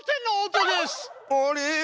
あれ？